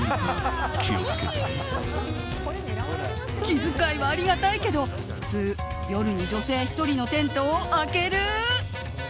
気遣いはありがたいけど普通、夜に女性１人のテントを開ける？